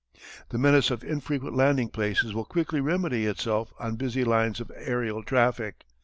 The menace of infrequent landing places will quickly remedy itself on busy lines of aërial traffic.